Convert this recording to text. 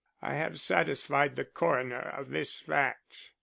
I have satisfied the coroner of this fact.